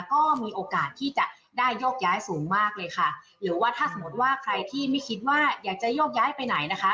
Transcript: ก็มีโอกาสที่จะได้โยกย้ายสูงมากเลยค่ะหรือว่าถ้าสมมติว่าใครที่ไม่คิดว่าอยากจะโยกย้ายไปไหนนะคะ